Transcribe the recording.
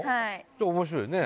面白いね。